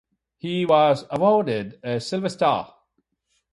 He was awarded the Silver Star.